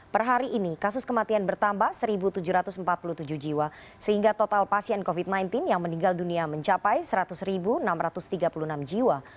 per hari ini kasus kematian bertambah satu tujuh ratus empat puluh tujuh jiwa sehingga total pasien covid sembilan belas yang meninggal dunia mencapai seratus enam ratus tiga puluh enam jiwa